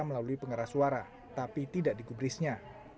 melalui pengeras suara tapi tidak digubrisnya